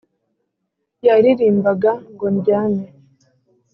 yaririmbaga ngo ndyame.